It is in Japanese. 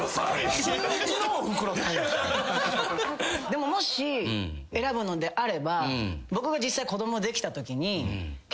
でももし選ぶのであれば僕が実際子供できたときに結構。